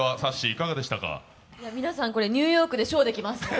皆さん、ニューヨークでショーできます